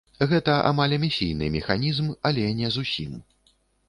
Гэта амаль эмісійны механізм, але не зусім.